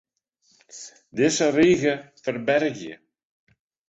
Dizze rige ferbergje.